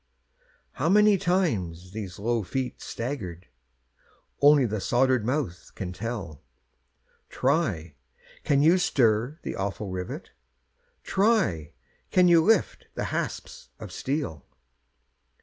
How many times these low feet staggered, Only the soldered mouth can tell; Try! can you stir the awful rivet? Try! can you lift the hasps of steel?